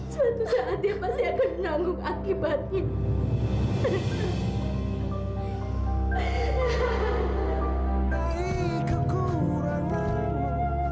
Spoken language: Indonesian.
suatu saat dia pasti akan menanggung akibat ini